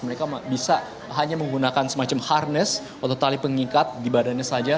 mereka bisa hanya menggunakan semacam harness atau tali pengikat di badannya saja